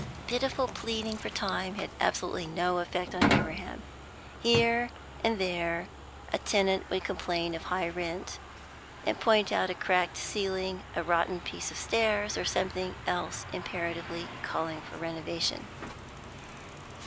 Pitiful pleading for time had absolutely no effect upon Abraham. Here and there a tenant would complain of high rent, and point out a cracked ceiling, a rotten piece of stairs, or something else imperatively calling for renovation.